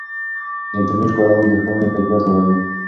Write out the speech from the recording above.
د انټرنیټ کارول د ښوونې کیفیت لوړوي.